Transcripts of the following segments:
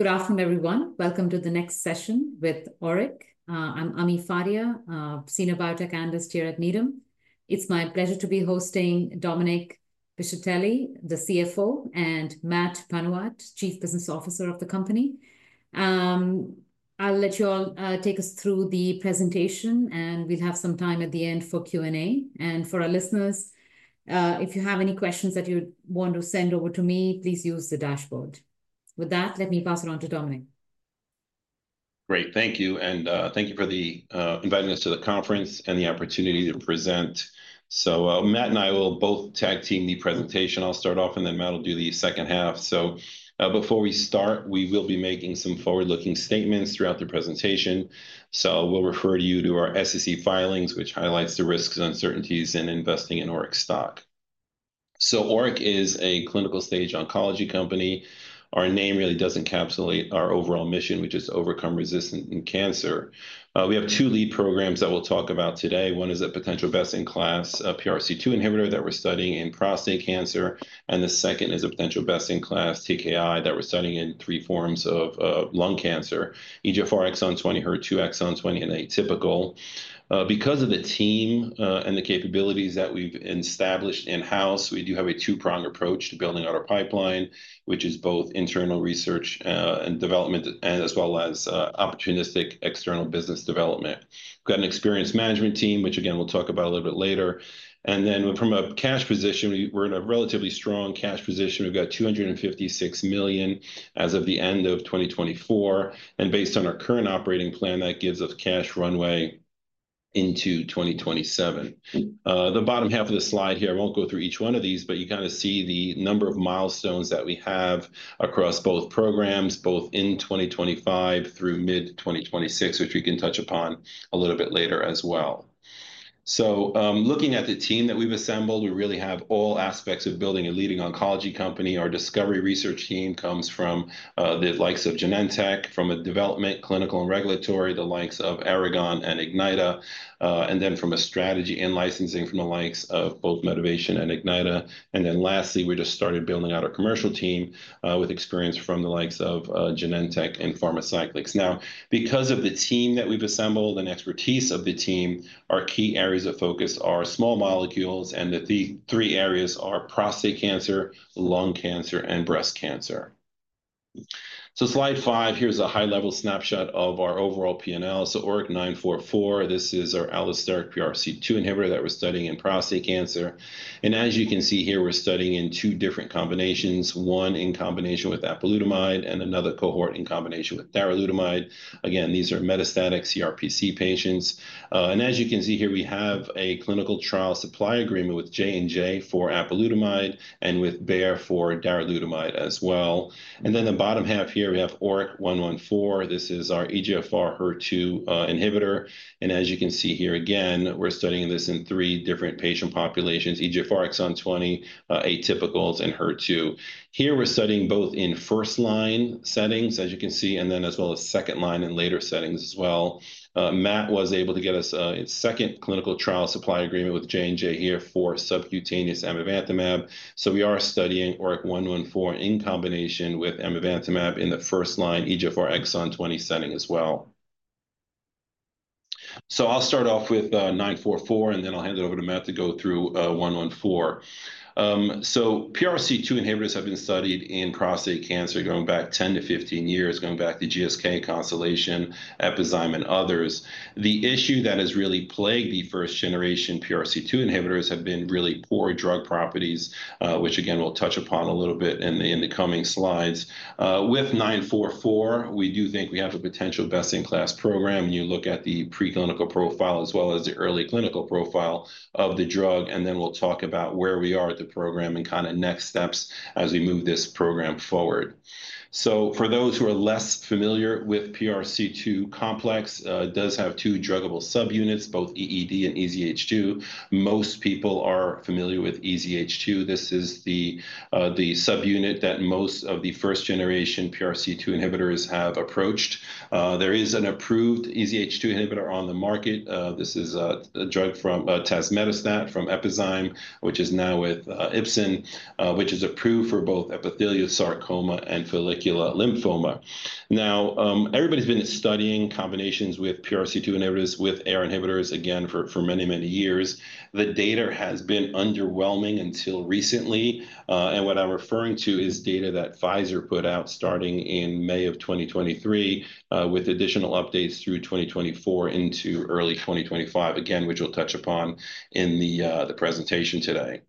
Good afternoon, everyone. Welcome to the next session with ORIC. I'm Ami Fadia, Senior Biotech Analyst here at Needham. It's my pleasure to be hosting Dominic Piscitelli, the CFO, and Matt Panuwat, Chief Business Officer of the company. I'll let you all take us through the presentation, and we'll have some time at the end for Q&A. For our listeners, if you have any questions that you want to send over to me, please use the dashboard. With that, let me pass it on to Dominic. Great. Thank you. Thank you for inviting us to the conference and the opportunity to present. Matt and I will both tag team the presentation. I'll start off, and then Matt will do the second half. Before we start, we will be making some forward-looking statements throughout the presentation. We will refer you to our SEC filings, which highlight the risks, uncertainties, and investing in ORIC stock. ORIC is a clinical stage oncology company. Our name really does encapsulate our overall mission, which is to overcome resistance in cancer. We have two lead programs that we'll talk about today. One is a potential best-in-class PRC2 inhibitor that we're studying in prostate cancer. The second is a potential best-in-class TKI that we're studying in three forms of lung cancer: EGFR exon 20, HER2 exon 20, and atypical. Because of the team and the capabilities that we've established in-house, we do have a two-pronged approach to building out our pipeline, which is both internal research and development, as well as opportunistic external business development. We've got an experienced management team, which, again, we'll talk about a little bit later. From a cash position, we're in a relatively strong cash position. We've got $256 million as of the end of 2024. Based on our current operating plan, that gives us cash runway into 2027. The bottom half of the slide here, I won't go through each one of these, but you kind of see the number of milestones that we have across both programs, both in 2025 through mid-2026, which we can touch upon a little bit later as well. Looking at the team that we've assembled, we really have all aspects of building a leading oncology company. Our discovery research team comes from the likes of Genentech, from a development, clinical, and regulatory, the likes of Aragon and Ignyta, and then from a strategy and licensing from the likes of both Medivation and Ignyta. Lastly, we just started building out our commercial team with experience from the likes of Genentech and Pharmacyclics. Now, because of the team that we've assembled and expertise of the team, our key areas of focus are small molecules, and the three areas are prostate cancer, lung cancer, and breast cancer. Slide five, here's a high-level snapshot of our overall P&L. ORIC-944, this is our allosteric PRC2 inhibitor that we're studying in prostate cancer. As you can see here, we're studying in two different combinations: one in combination with apalutamide and another cohort in combination with darolutamide. Again, these are metastatic CRPC patients. As you can see here, we have a clinical trial supply agreement with Johnson & Johnson for apalutamide and with Bayer for darolutamide as well. The bottom half here, we have ORIC-114. This is our EGFR HER2 inhibitor. As you can see here, again, we're studying this in three different patient populations: EGFR exon 20, atypicals, and HER2. Here we're studying both in first-line settings, as you can see, as well as second-line and later settings as well. Matt was able to get us a second clinical trial supply agreement with Johnson & Johnson here for subcutaneous amivantamab. We are studying ORIC-114 in combination with amivantamab in the first-line EGFR exon 20 setting as well. I'll start off with 944, and then I'll hand it over to Matt to go through 114. PRC2 inhibitors have been studied in prostate cancer going back 10 to 15 years, going back to GSK, Constellation, Epizyme, and others. The issue that has really plagued the first-generation PRC2 inhibitors has been really poor drug properties, which, again, we'll touch upon a little bit in the coming slides. With 944, we do think we have a potential best-in-class program. You look at the preclinical profile as well as the early clinical profile of the drug, and then we'll talk about where we are at the program and kind of next steps as we move this program forward. For those who are less familiar with PRC2 complex, it does have two druggable subunits, both EED and EZH2. Most people are familiar with EZH2. This is the sub-unit that most of the first-generation PRC2 inhibitors have approached. There is an approved EZH2 inhibitor on the market. This is a drug from tazemetostat from Epizyme, which is now with Ipsen, which is approved for both epithelial sarcoma and follicular lymphoma. Now, everybody's been studying combinations with PRC2 inhibitors with AR inhibitors, again, for many, many years. The data has been underwhelming until recently. What I'm referring to is data that Pfizer put out starting in May of 2023, with additional updates through 2024 into early 2025, again, which we'll touch upon in the presentation today.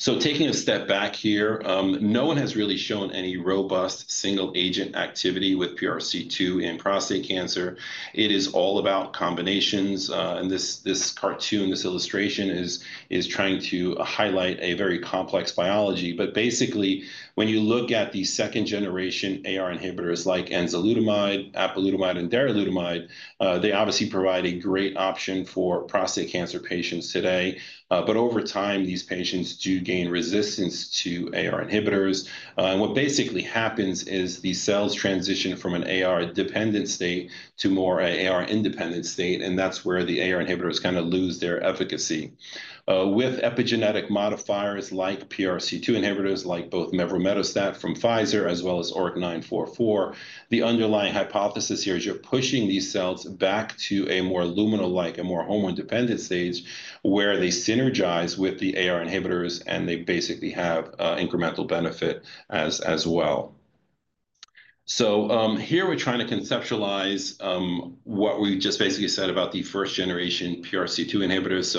Taking a step back here, no one has really shown any robust single-agent activity with PRC2 in prostate cancer. It is all about combinations. This cartoon, this illustration is trying to highlight a very complex biology. Basically, when you look at the second-generation AR inhibitors like enzalutamide, apalutamide, and darolutamide, they obviously provide a great option for prostate cancer patients today. Over time, these patients do gain resistance to AR inhibitors. What basically happens is these cells transition from an AR-dependent state to more an AR-independent state. That is where the AR inhibitors kind of lose their efficacy. With epigenetic modifiers like PRC2 inhibitors, like both mevrometostat from Pfizer as well as ORIC-944, the underlying hypothesis here is you're pushing these cells back to a more luminal-like, a more hormone-dependent stage where they synergize with the AR inhibitors, and they basically have incremental benefit as well. Here we're trying to conceptualize what we just basically said about the first-generation PRC2 inhibitors.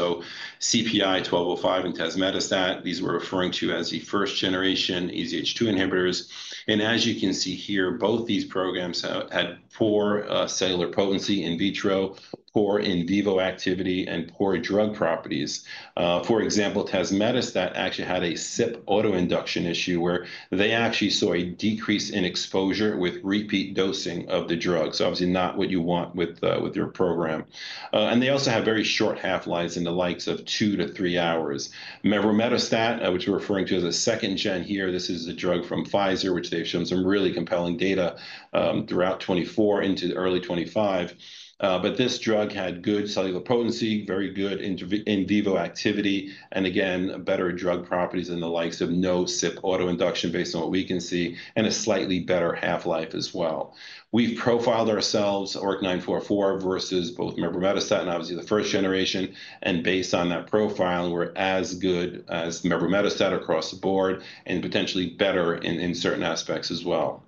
CPI-1205 and tazemetostat, these we're referring to as the first-generation EZH2 inhibitors. As you can see here, both these programs had poor cellular potency in vitro, poor in vivo activity, and poor drug properties. For example, tazemetostat actually had a CYP autoinduction issue where they actually saw a decrease in exposure with repeat dosing of the drug. Obviously, not what you want with your program. They also have very short half-lives in the likes of two to three hours. Mevrometostat, which we're referring to as a second-gen here, this is a drug from Pfizer, which they've shown some really compelling data throughout 2024 into early 2025. This drug had good cellular potency, very good in vivo activity, and again, better drug properties in the likes of no CYP autoinduction based on what we can see, and a slightly better half-life as well. We've profiled ourselves, ORIC-944 versus both mevrometostat and obviously the first generation. Based on that profile, we're as good as mevrometostat across the board and potentially better in certain aspects as well.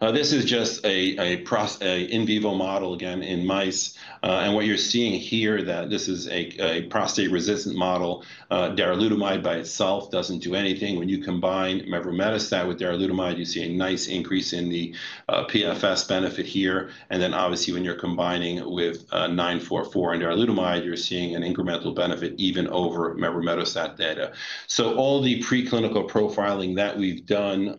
This is just an in vivo model, again, in mice. What you're seeing here, this is a prostate-resistant model. Darolutamide by itself doesn't do anything. When you combine mevrometostat with darolutamide, you see a nice increase in the PFS benefit here. Obviously, when you're combining with 944 and darolutamide, you're seeing an incremental benefit even over mevrometostat data. All the preclinical profiling that we've done,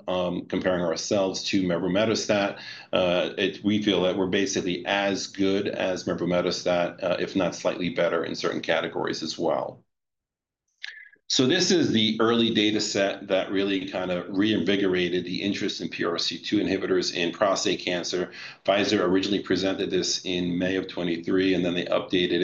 comparing ourselves to mevrometostat, we feel that we're basically as good as mevrometostat, if not slightly better in certain categories as well. This is the early data set that really kind of reinvigorated the interest in PRC2 inhibitors in prostate cancer. Pfizer originally presented this in May of 2023, and then they updated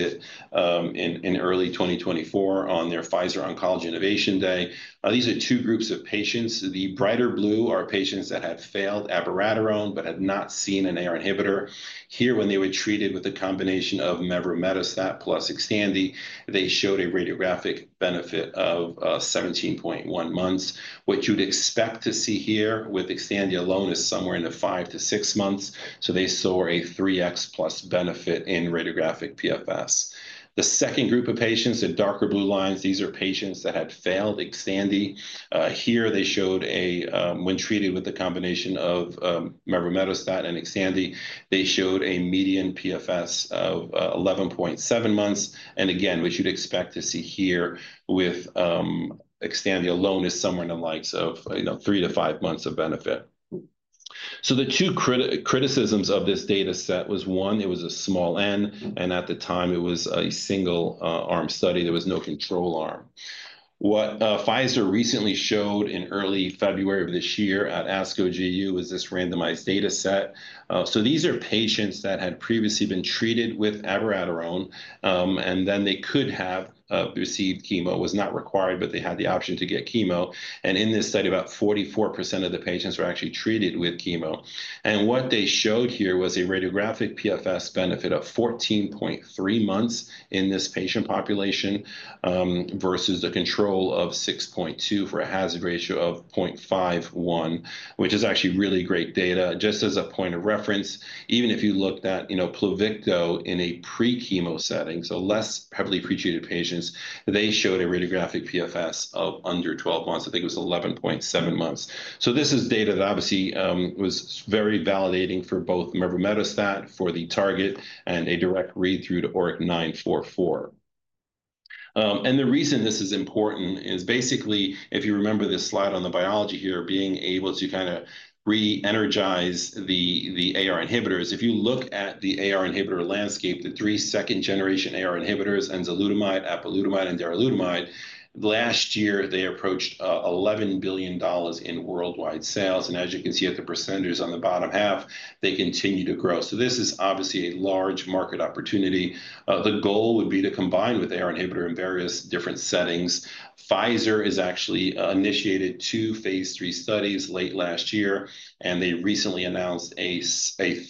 it in early 2024 on their Pfizer Oncology Innovation Day. These are two groups of patients. The brighter blue are patients that had failed abiraterone but had not seen an AR inhibitor. Here, when they were treated with a combination of mevrometostat plus Xtandi, they showed a radiographic benefit of 17.1 months, which you'd expect to see here with Xtandi alone is somewhere in the five to six months. They saw a 3x plus benefit in radiographic PFS. The second group of patients, the darker blue lines, these are patients that had failed Xtandi. Here, they showed a, when treated with a combination of mevrometostat and Xtandi, they showed a median PFS of 11.7 months. What you'd expect to see here with Xtandi alone is somewhere in the likes of three to five months of benefit. The two criticisms of this data set was, one, it was a small N, and at the time, it was a single-arm study. There was no control arm. What Pfizer recently showed in early February of this year at ASCO GU was this randomized data set. These are patients that had previously been treated with abiraterone, and then they could have received chemo. It was not required, but they had the option to get chemo. In this study, about 44% of the patients were actually treated with chemo. What they showed here was a radiographic PFS benefit of 14.3 months in this patient population versus a control of 6.2 for a hazard ratio of 0.51, which is actually really great data. Just as a point of reference, even if you looked at Pluvicto in a pre-chemo setting, so less heavily pretreated patients, they showed a radiographic PFS of under 12 months. I think it was 11.7 months. This is data that obviously was very validating for both mevrometostat for the target and a direct read through to ORIC-944. The reason this is important is basically, if you remember this slide on the biology here, being able to kind of re-energize the AR inhibitors. If you look at the AR inhibitor landscape, the three second-generation AR inhibitors, enzalutamide, apalutamide, and darolutamide, last year, they approached $11 billion in worldwide sales. As you can see at the percentages on the bottom half, they continue to grow. This is obviously a large market opportunity. The goal would be to combine with AR inhibitor in various different settings. Pfizer has actually initiated two phase three studies late last year, and they recently announced a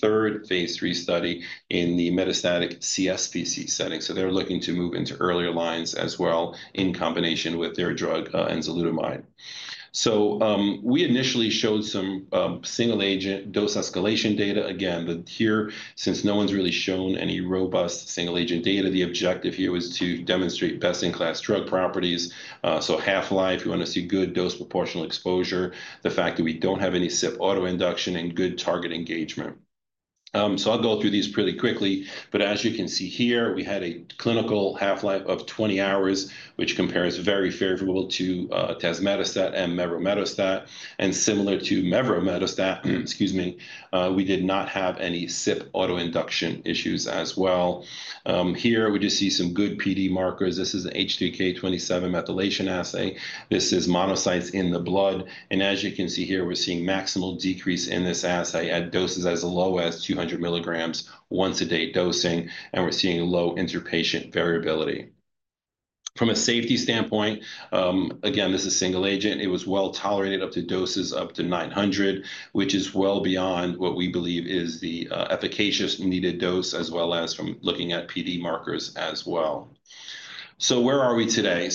third phase three study in the metastatic CSPC setting. They are looking to move into earlier lines as well in combination with their drug enzalutamide. We initially showed some single-agent dose escalation data. Again, here since no one's really shown any robust single-agent data, the objective here was to demonstrate best-in-class drug properties. Half-life, we want to see good dose proportional exposure, the fact that we do not have any CYP autoinduction, and good target engagement. I'll go through these pretty quickly. As you can see here, we had a clinical half-life of 20 hours, which compares very favorably to tazemetostat and mevrometostat. Similar to mevrometostat, excuse me, we did not have any CYP autoinduction issues as well. Here, we just see some good PD markers. This is an H3K27 methylation assay. This is monocytes in the blood. As you can see here, we're seeing maximal decrease in this assay at doses as low as 200 milligrams once-a-day dosing. We're seeing low interpatient variability. From a safety standpoint, again, this is single-agent. It was well tolerated up to doses up to 900, which is well beyond what we believe is the efficacious needed dose as well as from looking at PD markers as well. Where are we today?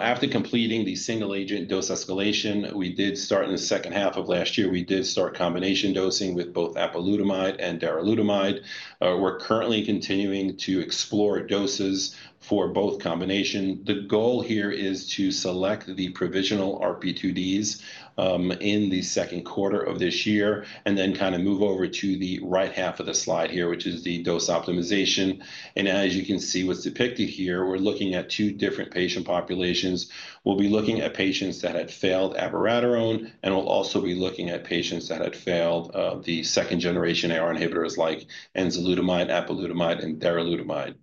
After completing the single-agent dose escalation, we did start in the second half of last year, we did start combination dosing with both apalutamide and darolutamide. We're currently continuing to explore doses for both combinations. The goal here is to select the provisional RP2Ds in the second quarter of this year and then kind of move over to the right half of the slide here, which is the dose optimization. As you can see what's depicted here, we're looking at two different patient populations. We'll be looking at patients that had failed abiraterone, and we'll also be looking at patients that had failed the second-generation AR inhibitors like enzalutamide, apalutamide, and darolutamide.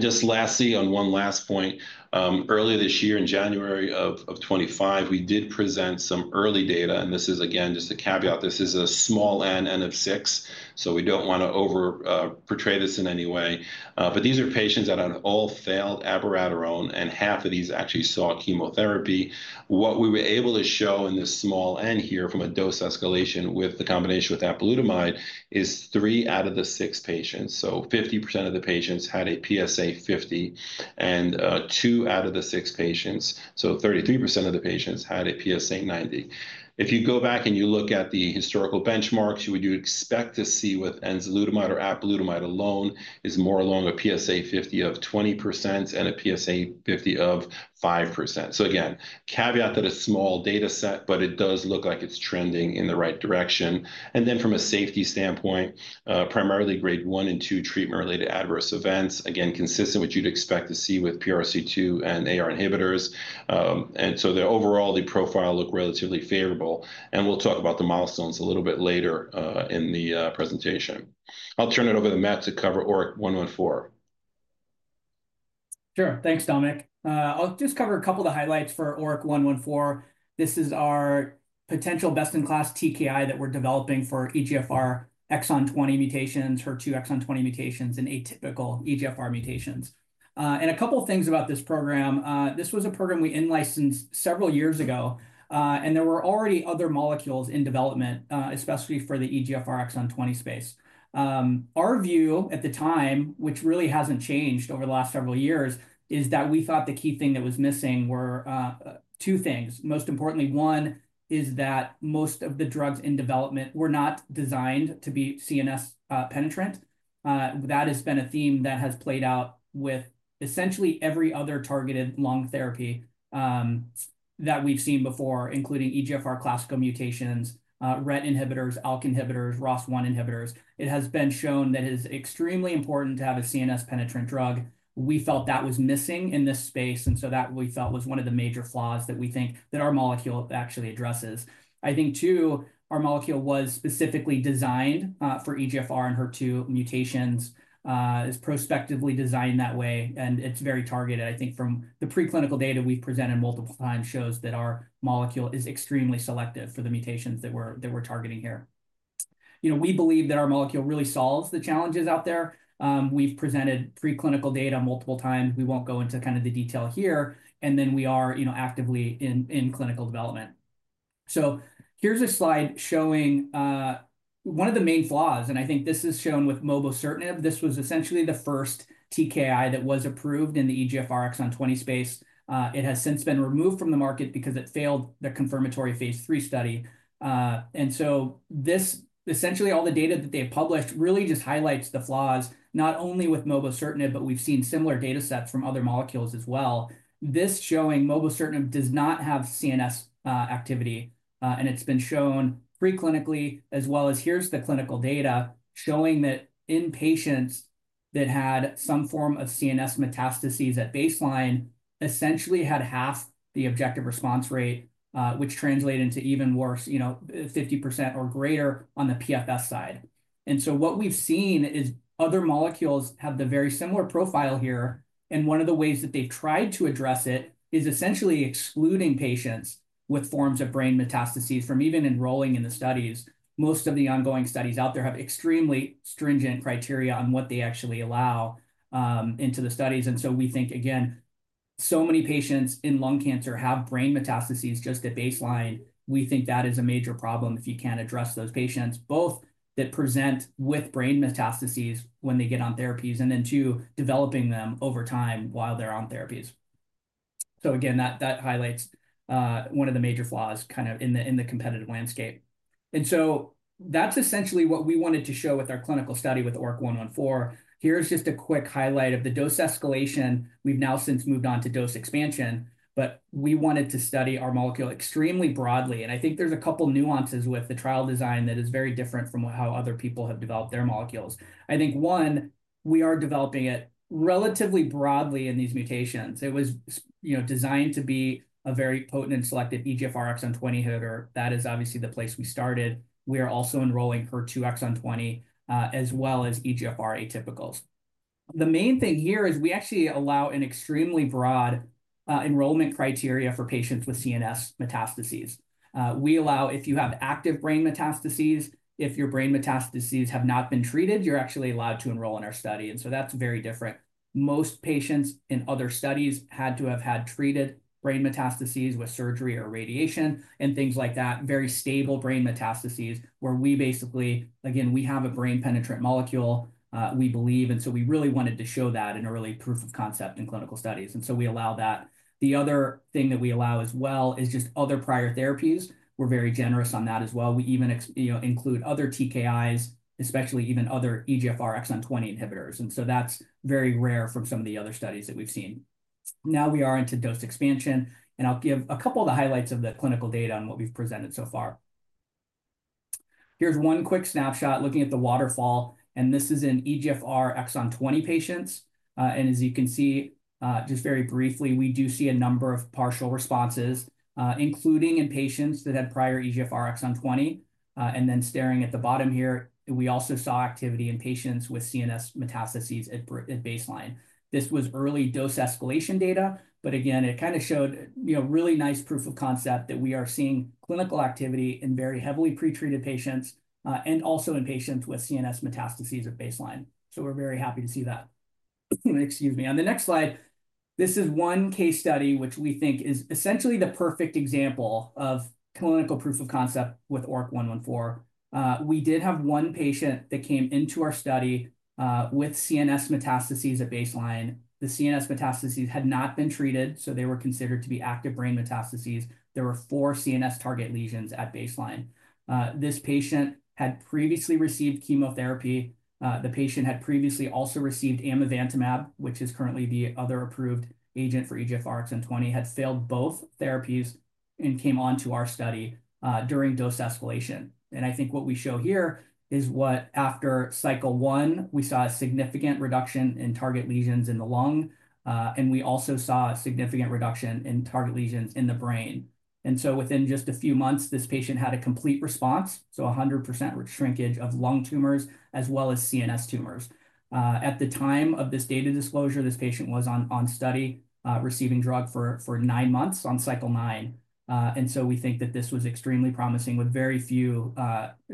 Just lastly, on one last point, earlier this year in January of 2025, we did present some early data. This is, again, just a caveat. This is a small N, N of six. We don't want to overportray this in any way. These are patients that had all failed abiraterone, and half of these actually saw chemotherapy. What we were able to show in this small N here from a dose escalation with the combination with apalutamide is three out of the six patients. So 50% of the patients had a PSA50, and two out of the six patients, so 33% of the patients had a PSA90. If you go back and you look at the historical benchmarks, you would expect to see with enzalutamide or apalutamide alone is more along a PSA50 of 20% and a PSA50 of 5%. Again, caveat that it's a small data set, but it does look like it's trending in the right direction. From a safety standpoint, primarily grade one and two treatment-related adverse events, again, consistent with what you'd expect to see with PRC2 and AR inhibitors. Overall, the profile looked relatively favorable. We'll talk about the milestones a little bit later in the presentation. I'll turn it over to Matt to cover ORIC-114. Sure. Thanks, Dominic. I'll just cover a couple of the highlights for ORIC-114. This is our potential best-in-class TKI that we're developing for EGFR exon 20 mutations, HER2 exon 20 mutations, and atypical EGFR mutations. A couple of things about this program. This was a program we in-licensed several years ago, and there were already other molecules in development, especially for the EGFR exon 20 space. Our view at the time, which really hasn't changed over the last several years, is that we thought the key thing that was missing were two things. Most importantly, one is that most of the drugs in development were not designed to be CNS penetrant. That has been a theme that has played out with essentially every other targeted lung therapy that we've seen before, including EGFR classical mutations, RET inhibitors, ALK inhibitors, ROS1 inhibitors. It has been shown that it is extremely important to have a CNS penetrant drug. We felt that was missing in this space, and so that we felt was one of the major flaws that we think that our molecule actually addresses. I think, too, our molecule was specifically designed for EGFR and HER2 mutations, is prospectively designed that way, and it's very targeted. I think from the preclinical data we've presented multiple times shows that our molecule is extremely selective for the mutations that we're targeting here. We believe that our molecule really solves the challenges out there. We've presented preclinical data multiple times. We won't go into kind of the detail here. We are actively in clinical development. Here is a slide showing one of the main flaws, and I think this is shown with mobocertinib. This was essentially the first TKI that was approved in the EGFR exon 20 space. It has since been removed from the market because it failed the confirmatory phase three study. Essentially, all the data that they published really just highlights the flaws, not only with mobocertinib, but we have seen similar data sets from other molecules as well. This showing mobocertinib does not have CNS activity, and it has been shown preclinically as well as here is the clinical data showing that in patients that had some form of CNS metastases at baseline, essentially had half the objective response rate, which translated into even worse, 50% or greater on the PFS side. What we've seen is other molecules have a very similar profile here. One of the ways that they've tried to address it is essentially excluding patients with forms of brain metastases from even enrolling in the studies. Most of the ongoing studies out there have extremely stringent criteria on what they actually allow into the studies. We think, again, so many patients in lung cancer have brain metastases just at baseline. We think that is a major problem if you can't address those patients, both that present with brain metastases when they get on therapies and then to developing them over time while they're on therapies. That highlights one of the major flaws kind of in the competitive landscape. That's essentially what we wanted to show with our clinical study with ORIC-114. Here's just a quick highlight of the dose escalation. We've now since moved on to dose expansion, but we wanted to study our molecule extremely broadly. I think there's a couple of nuances with the trial design that is very different from how other people have developed their molecules. I think one, we are developing it relatively broadly in these mutations. It was designed to be a very potent and selective EGFR exon 20 inhibitor. That is obviously the place we started. We are also enrolling HER2 exon 20 as well as EGFR atypicals. The main thing here is we actually allow an extremely broad enrollment criteria for patients with CNS metastases. We allow, if you have active brain metastases, if your brain metastases have not been treated, you're actually allowed to enroll in our study. That's very different. Most patients in other studies had to have had treated brain metastases with surgery or radiation and things like that, very stable brain metastases where we basically, again, we have a brain penetrant molecule, we believe. We really wanted to show that in early proof of concept in clinical studies. We allow that. The other thing that we allow as well is just other prior therapies. We're very generous on that as well. We even include other TKIs, especially even other EGFR exon 20 inhibitors. That is very rare from some of the other studies that we've seen. Now we are into dose expansion, and I'll give a couple of the highlights of the clinical data on what we've presented so far. Here's one quick snapshot looking at the waterfall, and this is in EGFR exon 20 patients. As you can see, just very briefly, we do see a number of partial responses, including in patients that had prior EGFR exon 20. Staring at the bottom here, we also saw activity in patients with CNS metastases at baseline. This was early dose escalation data, but again, it kind of showed really nice proof of concept that we are seeing clinical activity in very heavily pretreated patients and also in patients with CNS metastases at baseline. We are very happy to see that. Excuse me. On the next slide, this is one case study which we think is essentially the perfect example of clinical proof of concept with ORIC-114. We did have one patient that came into our study with CNS metastases at baseline. The CNS metastases had not been treated, so they were considered to be active brain metastases. There were four CNS target lesions at baseline. This patient had previously received chemotherapy. The patient had previously also received amivantamab, which is currently the other approved agent for EGFR exon 20, had failed both therapies and came on to our study during dose escalation. I think what we show here is what after cycle one, we saw a significant reduction in target lesions in the lung, and we also saw a significant reduction in target lesions in the brain. Within just a few months, this patient had a complete response, so 100% shrinkage of lung tumors as well as CNS tumors. At the time of this data disclosure, this patient was on study receiving drug for nine months on cycle nine. We think that this was extremely promising with very few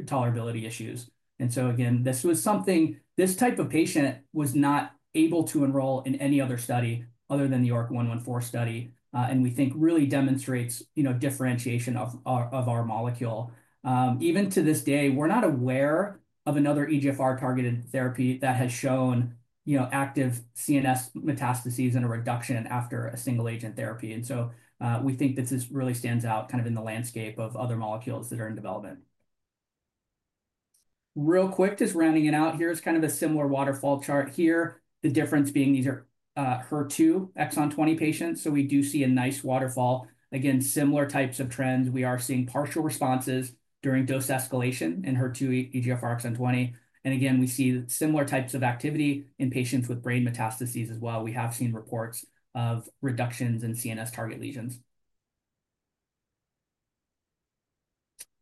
tolerability issues. This was something this type of patient was not able to enroll in any other study other than the ORIC-114 study, and we think really demonstrates differentiation of our molecule. Even to this day, we're not aware of another EGFR-targeted therapy that has shown active CNS metastases and a reduction after a single-agent therapy. We think this really stands out kind of in the landscape of other molecules that are in development. Real quick, just rounding it out, here's kind of a similar waterfall chart here. The difference being these are HER2 exon 20 patients, so we do see a nice waterfall. Again, similar types of trends. We are seeing partial responses during dose escalation in HER2, EGFR exon 20. Again, we see similar types of activity in patients with brain metastases as well. We have seen reports of reductions in CNS target lesions.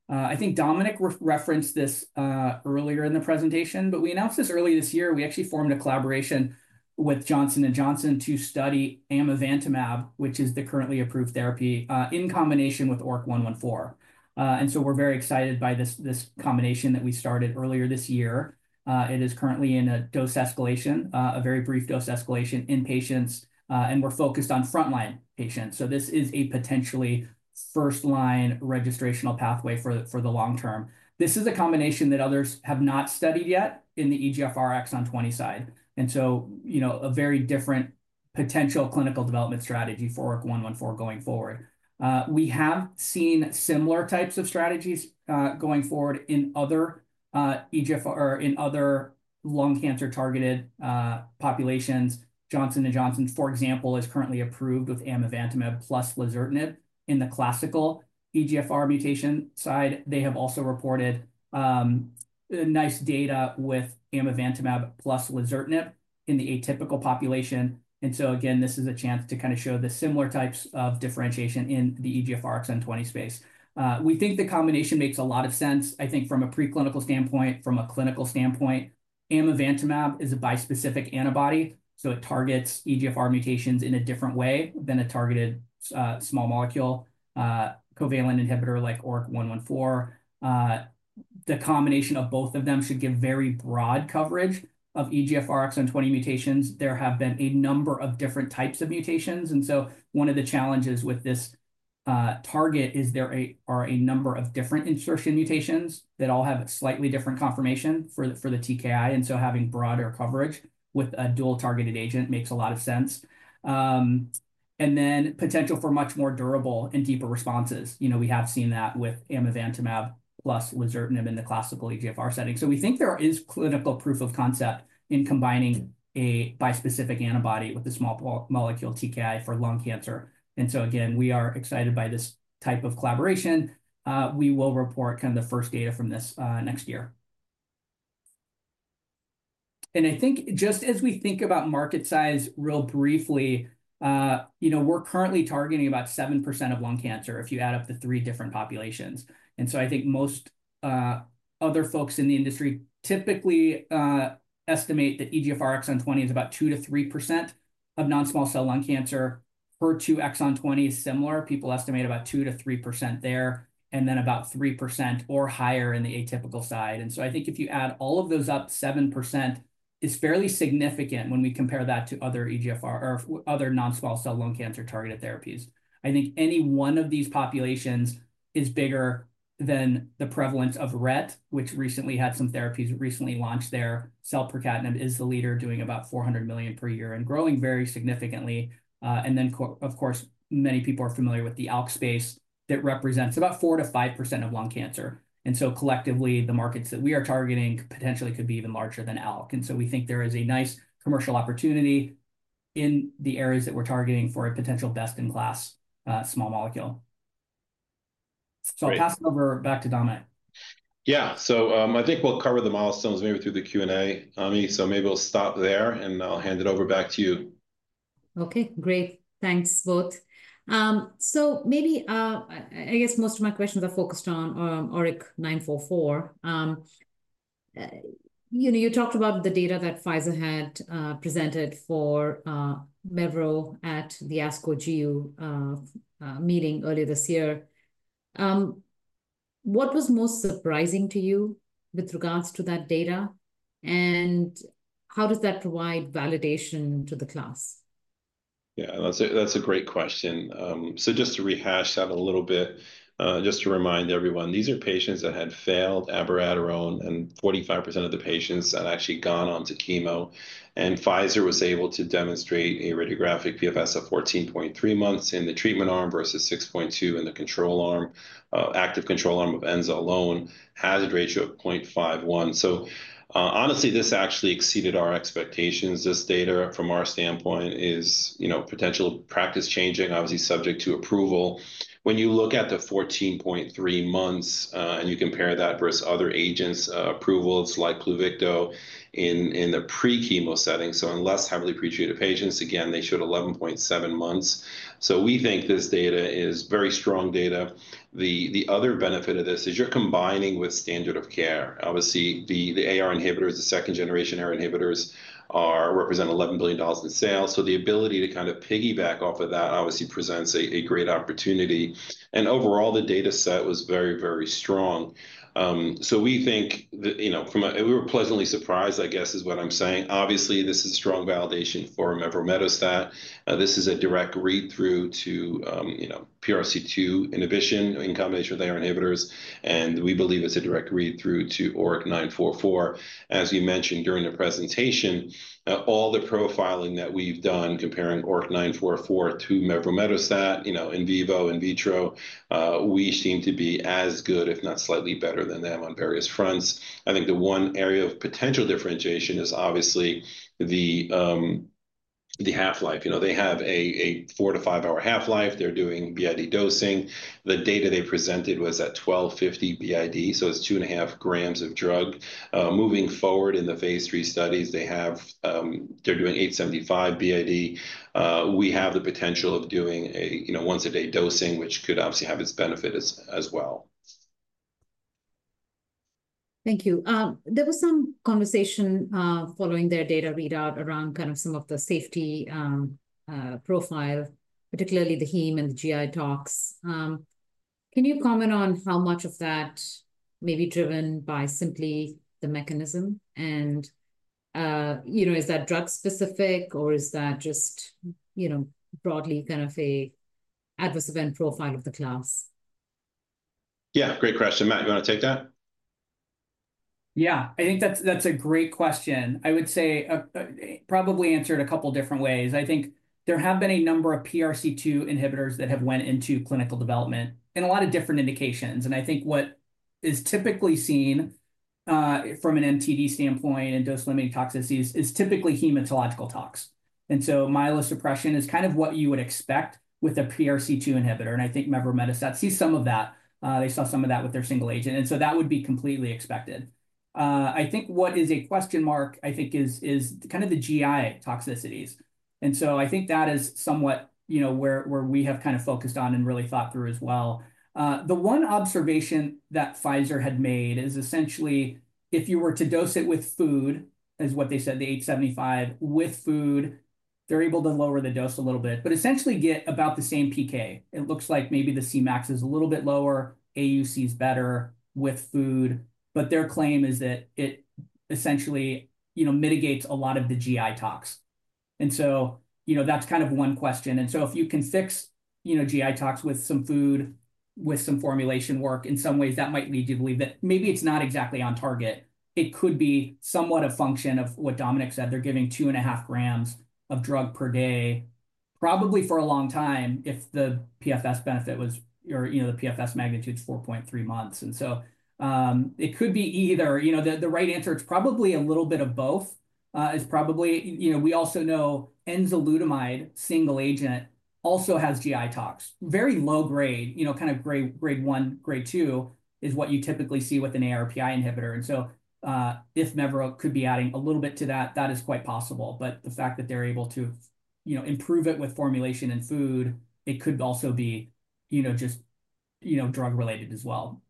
I think Dominic referenced this earlier in the presentation, but we announced this early this year. We actually formed a collaboration with Johnson & Johnson to study amivantamab, which is the currently approved therapy, in combination with ORIC-114. We are very excited by this combination that we started earlier this year. It is currently in a dose escalation, a very brief dose escalation in patients, and we are focused on frontline patients. This is a potentially first-line registrational pathway for the long term. This is a combination that others have not studied yet in the EGFR exon 20 side. A very different potential clinical development strategy for ORIC-114 going forward. We have seen similar types of strategies going forward in other lung cancer targeted populations. Johnson & Johnson, for example, is currently approved with amivantamab plus lazertinib in the classical EGFR mutation side. They have also reported nice data with amivantamab plus lazertinib in the atypical population. This is a chance to kind of show the similar types of differentiation in the EGFR exon 20 space. We think the combination makes a lot of sense. I think from a preclinical standpoint, from a clinical standpoint, amivantamab is a bispecific antibody, so it targets EGFR mutations in a different way than a targeted small molecule covalent inhibitor like ORIC-114. The combination of both of them should give very broad coverage of EGFR exon 20 mutations. There have been a number of different types of mutations. One of the challenges with this target is there are a number of different insertion mutations that all have slightly different confirmation for the TKI. Having broader coverage with a dual-targeted agent makes a lot of sense. There is potential for much more durable and deeper responses. We have seen that with amivantamab plus lazertinib in the classical EGFR setting. We think there is clinical proof of concept in combining a bispecific antibody with a small molecule TKI for lung cancer. We are excited by this type of collaboration. We will report the first data from this next year. Just as we think about market size real briefly, we are currently targeting about 7% of lung cancer if you add up the three different populations. Most other folks in the industry typically estimate that EGFR exon 20 is about 2%-3% of non-small cell lung cancer. HER2 exon 20 is similar. People estimate about 2%-3% there, and then about 3% or higher in the atypical side. I think if you add all of those up, 7% is fairly significant when we compare that to other non-small cell lung cancer targeted therapies. I think any one of these populations is bigger than the prevalence of RET, which recently had some therapies recently launched there. selpercatinib is the leader doing about $400 million per year and growing very significantly. Of course, many people are familiar with the ALK space that represents about 4%-5% of lung cancer. Collectively, the markets that we are targeting potentially could be even larger than ALK. We think there is a nice commercial opportunity in the areas that we're targeting for a potential best-in-class small molecule. I'll pass it over back to Dominic. Yeah. I think we'll cover the milestones maybe through the Q&A, Ami. Maybe we'll stop there, and I'll hand it over back to you. Okay. Great. Thanks both. Maybe I guess most of my questions are focused on ORIC-944. You talked about the data that Pfizer had presented for mevro at the ASCO-GU meeting earlier this year. What was most surprising to you with regards to that data, and how does that provide validation to the class? Yeah, that's a great question. Just to rehash that a little bit, just to remind everyone, these are patients that had failed abiraterone, and 45% of the patients had actually gone on to chemo. Pfizer was able to demonstrate a radiographic PFS of 14.3 months in the treatment arm versus 6.2 in the active control arm of enzalutamide, hazard ratio of 0.51. Honestly, this actually exceeded our expectations. This data, from our standpoint, is potential practice changing, obviously subject to approval. When you look at the 14.3 months and you compare that versus other agents, approvals like Pluvicto in the pre-chemo setting, in less heavily pretreated patients, they showed 11.7 months. We think this data is very strong data. The other benefit of this is you're combining with standard of care. Obviously, the AR inhibitors, the second-generation AR inhibitors, represent $11 billion in sales. The ability to kind of piggyback off of that obviously presents a great opportunity. Overall, the data set was very, very strong. We think from a we were pleasantly surprised, I guess, is what I'm saying. Obviously, this is strong validation for mevrometostat. This is a direct read-through to PRC2 inhibition in combination with AR inhibitors. We believe it's a direct read-through to ORIC-944. As you mentioned during the presentation, all the profiling that we've done comparing ORIC-944 to mevrometostat, in vivo, in vitro, we seem to be as good, if not slightly better than them on various fronts. I think the one area of potential differentiation is obviously the half-life. They have a four to five-hour half-life. They're doing BID dosing. The data they presented was at 1250 b.i.d., so it's two and a half grams of drug. Moving forward in the phase III studies, they're doing 875 b.i.d. We have the potential of doing a once-a-day dosing, which could obviously have its benefit as well. Thank you. There was some conversation following their data readout around kind of some of the safety profile, particularly the heme and the GI tox. Can you comment on how much of that may be driven by simply the mechanism? Is that drug-specific, or is that just broadly kind of an adverse event profile of the class? Yeah. Great question. Matt, do you want to take that? Yeah. I think that's a great question. I would say probably answered a couple of different ways. I think there have been a number of PRC2 inhibitors that have went into clinical development in a lot of different indications. I think what is typically seen from an MTD standpoint in dose-limiting toxicities is typically hematological tox. Myelosuppression is kind of what you would expect with a PRC2 inhibitor. I think mevrometostat sees some of that. They saw some of that with their single agent. That would be completely expected. I think what is a question mark, I think, is kind of the GI toxicities. I think that is somewhat where we have kind of focused on and really thought through as well. The one observation that Pfizer had made is essentially, if you were to dose it with food, is what they said, the 875, with food, they're able to lower the dose a little bit, but essentially get about the same PK. It looks like maybe the Cmax is a little bit lower, AUC is better with food, but their claim is that it essentially mitigates a lot of the GI tox. That is kind of one question. If you can fix GI tox with some food, with some formulation work, in some ways, that might lead you to believe that maybe it's not exactly on target. It could be somewhat a function of what Dominic said. They're giving two and a half grams of drug per day, probably for a long time if the PFS benefit was or the PFS magnitude is 4.3 months. It could be either. The right answer is probably a little bit of both. We also know enzalutamide, single agent, also has GI tox. Very low grade, kind of grade one, grade two is what you typically see with an ARPI inhibitor. If mevrometostat could be adding a little bit to that, that is quite possible. The fact that they're able to improve it with formulation and food, it could also be just drug-related as well.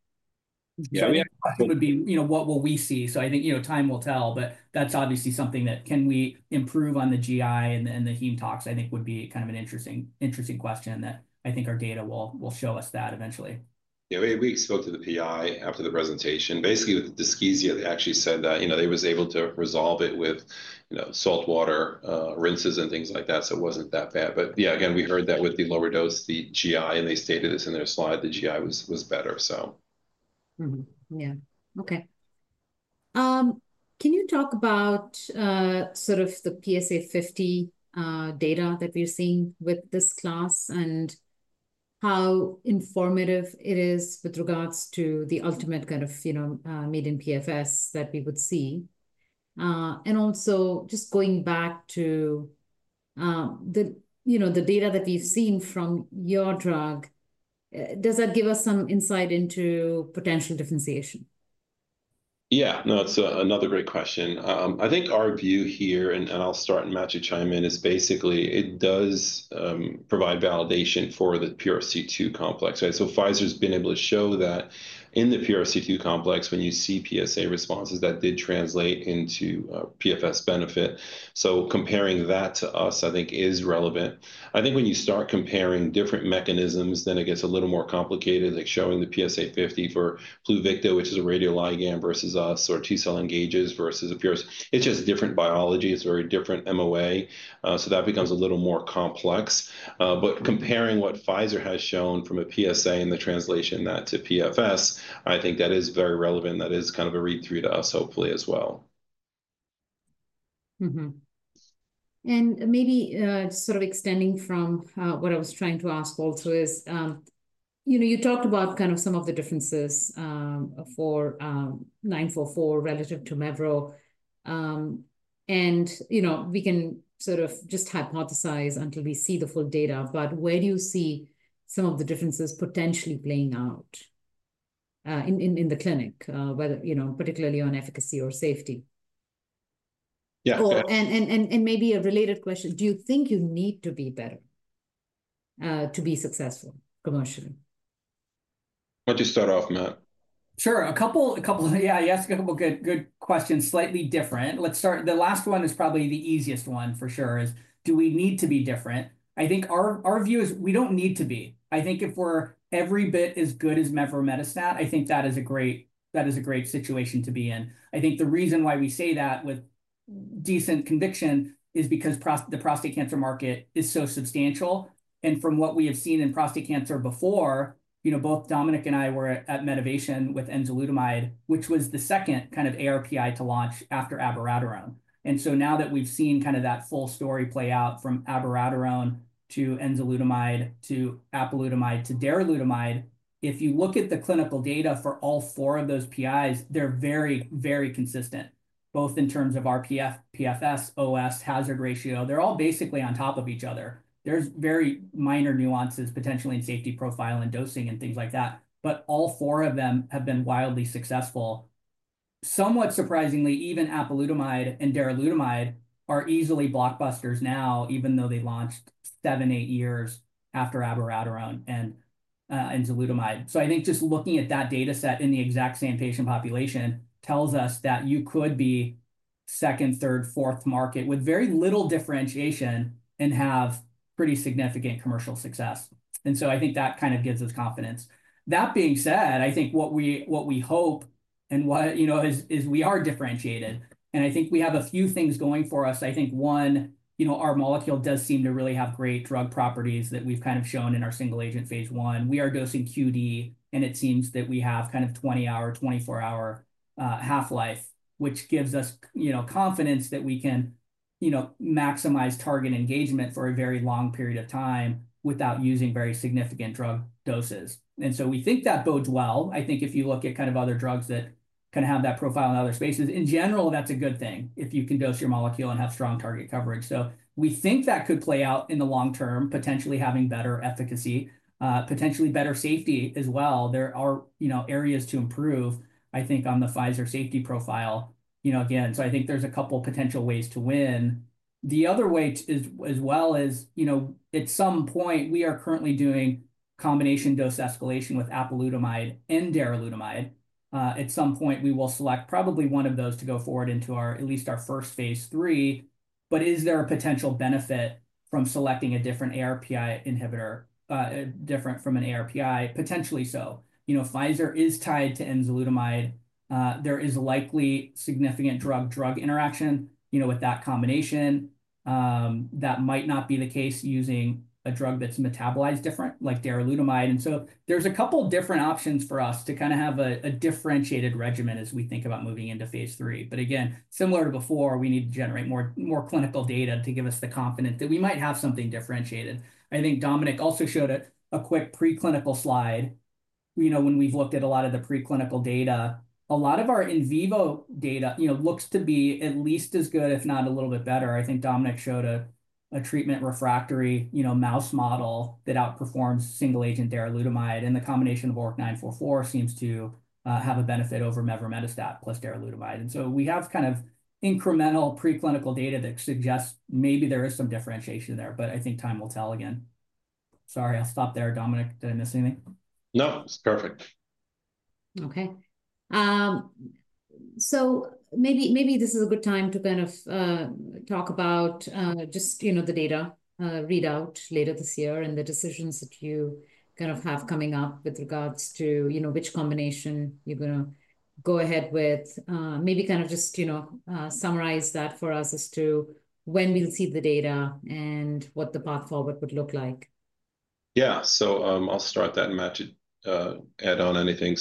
Yeah. It would be what will we see? I think time will tell, but that's obviously something that, can we improve on the GI and the heme tox, I think would be kind of an interesting question that I think our data will show us that eventually. Yeah. We spoke to the PI after the presentation. Basically, with the dyschezia, they actually said that they were able to resolve it with saltwater rinses and things like that, so it wasn't that bad. Yeah, again, we heard that with the lower dose, the GI, and they stated this in their slide, the GI was better. Yeah. Okay. Can you talk about sort of the PSA50 data that we're seeing with this class and how informative it is with regards to the ultimate kind of median PFS that we would see? Also, just going back to the data that we've seen from your drug, does that give us some insight into potential differentiation? Yeah. No, that's another great question. I think our view here, and I'll start and Matt, you chime in, is basically it does provide validation for the PRC2 complex, right? Pfizer's been able to show that in the PRC2 complex, when you see PSA responses, that did translate into PFS benefit. Comparing that to us, I think, is relevant. I think when you start comparing different mechanisms, then it gets a little more complicated, like showing the PSA50 for Pluvicto, which is a radioligand versus us, or T-cell engagers versus a PRC2. It's just different biology. It's a very different MOA. That becomes a little more complex. Comparing what Pfizer has shown from a PSA and the translation of that to PFS, I think that is very relevant. That is kind of a read-through to us, hopefully, as well. Maybe sort of extending from what I was trying to ask also is you talked about kind of some of the differences for 944 relative to Mevro. We can sort of just hypothesize until we see the full data, but where do you see some of the differences potentially playing out in the clinic, particularly on efficacy or safety? Yeah. Maybe a related question. Do you think you need to be better to be successful commercially? Why don't you start off, Matt? Sure. You asked a couple of good questions, slightly different. The last one is probably the easiest one for sure, is, do we need to be different? I think our view is we don't need to be. I think if every bit is good as mevrometostat, I think that is a great situation to be in. I think the reason why we say that with decent conviction is because the prostate cancer market is so substantial. From what we have seen in prostate cancer before, both Dominic and I were at Medivation with enzalutamide, which was the second kind of ARPI to launch after abiraterone. Now that we've seen that full story play out from abiraterone to enzalutamide to apalutamide to darolutamide, if you look at the clinical data for all four of those ARPIs, they're very, very consistent, both in terms of RPFS, PFS, OS, hazard ratio. They're all basically on top of each other. There's very minor nuances potentially in safety profile and dosing and things like that. All four of them have been wildly successful. Somewhat surprisingly, even apalutamide and darolutamide are easily blockbusters now, even though they launched seven, eight years after abiraterone and enzalutamide. I think just looking at that data set in the exact same patient population tells us that you could be second, third, fourth market with very little differentiation and have pretty significant commercial success. I think that kind of gives us confidence. That being said, I think what we hope and what is we are differentiated. I think we have a few things going for us. I think one, our molecule does seem to really have great drug properties that we've kind of shown in our single agent phase one. We are dosing QD, and it seems that we have kind of 20-hour, 24-hour half-life, which gives us confidence that we can maximize target engagement for a very long period of time without using very significant drug doses. We think that bodes well. I think if you look at kind of other drugs that can have that profile in other spaces, in general, that's a good thing if you can dose your molecule and have strong target coverage. We think that could play out in the long term, potentially having better efficacy, potentially better safety as well. There are areas to improve, I think, on the Pfizer safety profile, again. I think there's a couple of potential ways to win. The other way as well is at some point, we are currently doing combination dose escalation with apalutamide and darolutamide. At some point, we will select probably one of those to go forward into at least our first phase three. Is there a potential benefit from selecting a different ARPI inhibitor, different from an ARPI? Potentially so. Pfizer is tied to enzalutamide. There is likely significant drug-drug interaction with that combination. That might not be the case using a drug that's metabolized different, like darolutamide. There are a couple of different options for us to kind of have a differentiated regimen as we think about moving into phase three. Again, similar to before, we need to generate more clinical data to give us the confidence that we might have something differentiated. I think Dominic also showed a quick preclinical slide. When we've looked at a lot of the preclinical data, a lot of our in vivo data looks to be at least as good, if not a little bit better. I think Dominic showed a treatment refractory mouse model that outperforms single agent darolutamide. The combination of ORIC-944 seems to have a benefit over mevrometostat plus darolutamide. We have kind of incremental preclinical data that suggests maybe there is some differentiation there, but I think time will tell again. Sorry, I'll stop there. Dominic, did I miss anything? No, it's perfect. Okay. Maybe this is a good time to kind of talk about just the data readout later this year and the decisions that you kind of have coming up with regards to which combination you're going to go ahead with. Maybe kind of just summarize that for us as to when we'll see the data and what the path forward would look like. Yeah. I'll start that, and Matt, you add on anything.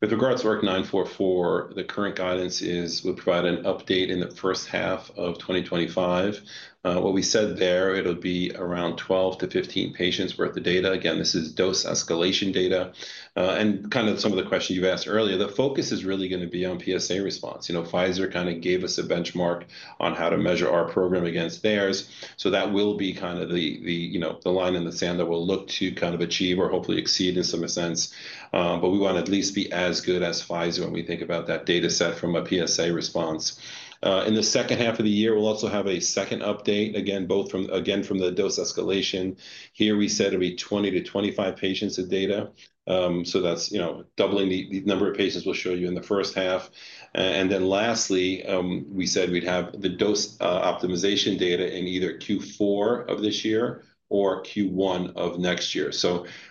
With regards to ORIC-944, the current guidance is we'll provide an update in the first half of 2025. What we said there, it'll be around 12-15 patients' worth of data. Again, this is dose escalation data. Kind of some of the questions you asked earlier, the focus is really going to be on PSA response. Pfizer kind of gave us a benchmark on how to measure our program against theirs. That will be kind of the line in the sand that we'll look to kind of achieve or hopefully exceed in some sense. We want to at least be as good as Pfizer when we think about that data set from a PSA response. In the second half of the year, we'll also have a second update, again, from the dose escalation. Here, we said it'll be 20 patients-25 patients of data. That's doubling the number of patients we'll show you in the first half. Lastly, we said we'd have the dose optimization data in either Q4 of this year or Q1 of next year.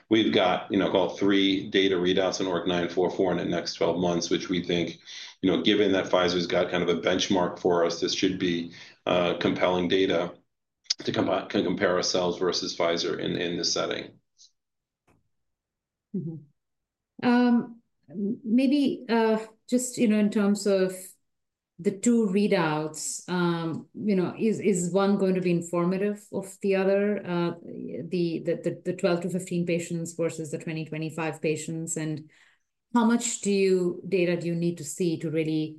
We've got all three data readouts in 944 in the next 12 months, which we think, given that Pfizer's got kind of a benchmark for us, this should be compelling data to compare ourselves versus Pfizer in this setting. Maybe just in terms of the two readouts, is one going to be informative of the other, the 12 patients-15 patients versus the 20 patients-25 patients? How much data do you need to see to really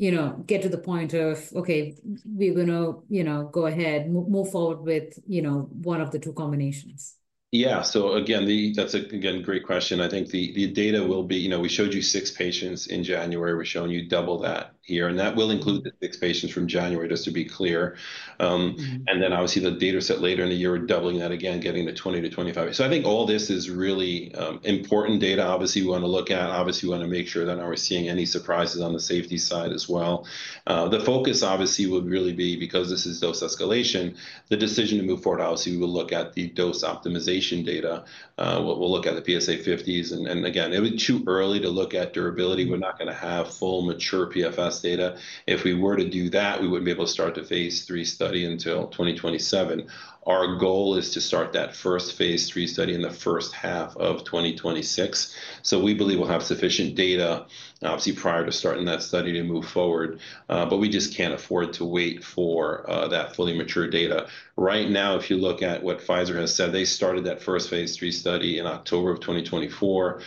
get to the point of, "Okay, we're going to go ahead, move forward with one of the two combinations"? Yeah, that's a great question. I think the data will be we showed you six patients in January. We're showing you double that here, and that will include the six patients from January, just to be clear. Obviously, the data set later in the year, doubling that again, getting the 20-25 patients. I think all this is really important data. Obviously, we want to look at it. Obviously, we want to make sure that we're seeing any surprises on the safety side as well. The focus, obviously, would really be, because this is dose escalation, the decision to move forward. Obviously, we will look at the dose optimization data. We'll look at the PSA50s. Again, it would be too early to look at durability. We're not going to have full mature PFS data. If we were to do that, we wouldn't be able to start the phase three study until 2027. Our goal is to start that first phase three study in the first half of 2026. We believe we'll have sufficient data, obviously, prior to starting that study to move forward. We just can't afford to wait for that fully mature data. Right now, if you look at what Pfizer has said, they started that first phase three study in October of 2024.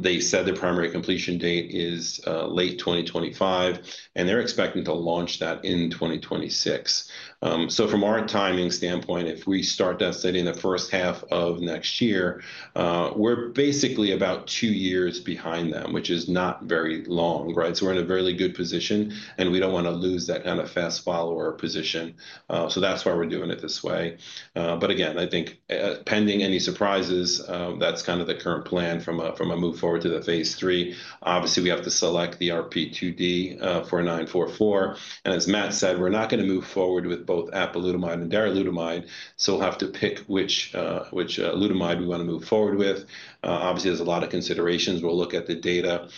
They said the primary completion date is late 2025, and they're expecting to launch that in 2026. From our timing standpoint, if we start that study in the first half of next year, we're basically about two years behind them, which is not very long, right? We're in a really good position, and we don't want to lose that kind of fast follower position. That's why we're doing it this way. Again, I think pending any surprises, that's kind of the current plan from a move forward to the phase three. Obviously, we have to select the RP2D for 944. As Matt said, we're not going to move forward with both apalutamide and daralutamide. We'll have to pick which lutamide we want to move forward with. Obviously, there's a lot of considerations. We'll look at the data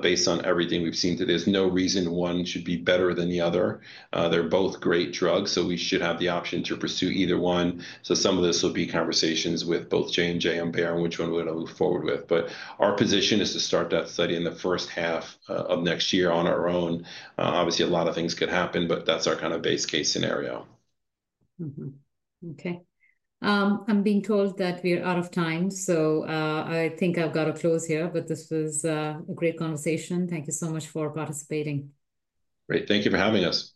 based on everything we've seen today. There's no reason one should be better than the other. They're both great drugs, so we should have the option to pursue either one. Some of this will be conversations with both J&J and Bayer, which one we're going to move forward with. Our position is to start that study in the first half of next year on our own. Obviously, a lot of things could happen, but that's our kind of base case scenario. Okay. I'm being told that we are out of time, so I think I've got to close here, but this was a great conversation. Thank you so much for participating. Great. Thank you for having us. Okay.